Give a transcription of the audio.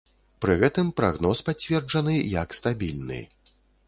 Пры гэтым прагноз пацверджаны як стабільны.